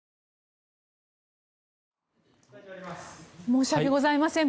申し訳ございません。